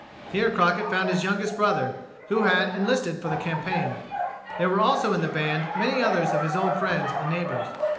Here Crockett found his youngest brother, who had enlisted for the campaign. There were also in the band many others of his old friends and neighbors.